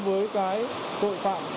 với tội phạm